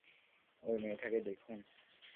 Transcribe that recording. ঐ মেয়েটাকে দেখুন।